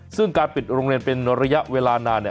ซึ่งการปิดโรงเรียนเป็นระยะเวลานาน